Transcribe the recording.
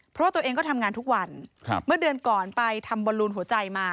เพราะว่าตัวเองก็ทำงานทุกวันเมื่อเดือนก่อนไปทำบอลลูนหัวใจมา